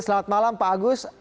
selamat malam pak agus